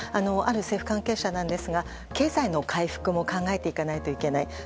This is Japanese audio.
ある政府関係者なんですが経済の回復も考えていかないといけない。